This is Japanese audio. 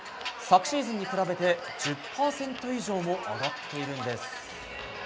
昨シーズンに比べて１０％以上も上がっているんです。